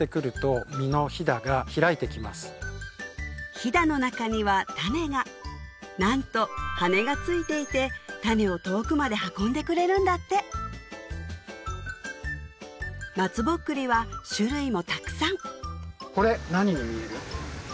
ヒダの中には種がなんと羽がついていて種を遠くまで運んでくれるんだってまつぼっくりは種類もたくさんこれ何に見える？